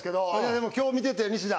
でも今日見ててニシダ。